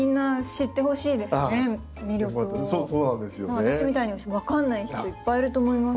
私みたいに分かんない人いっぱいいると思います。